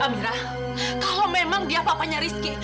kalau memang dia papanya rizky